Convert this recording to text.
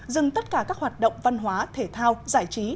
dừng tất cả các hoạt động văn hóa thể thao giải trí